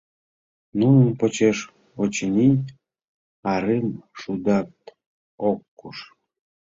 Нунын почеш, очыни, арымшудат ок куш...